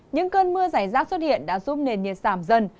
những cơn mưa giải rác xuất hiện đã giúp nền nhiệt giảm dần